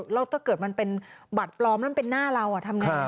แล้วถ้าเกิดมันเป็นบัตรปลอมแล้วมันเป็นหน้าเราทำไง